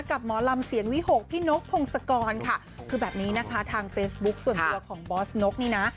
หมอลำเสียงวิหกพี่นกพงศกรค่ะคือแบบนี้นะคะทางเฟซบุ๊คส่วนตัวของบอสนกนี่นะ